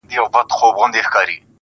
و مُلا ته، و پاچا ته او سره یې تر غلامه.